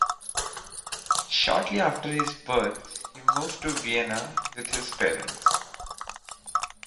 Shortly after his birth he moved to Vienna with his parents.